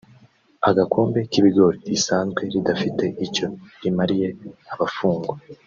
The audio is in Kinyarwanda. agakombe k’ibigori risanzwe ridafite icyo rimariye abafungwa